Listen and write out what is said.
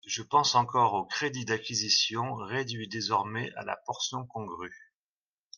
Je pense encore aux crédits d’acquisition, réduits désormais à la portion congrue.